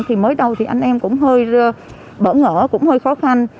thì mới đầu thì anh em cũng hơi bỡ ngỡ cũng hơi khó khăn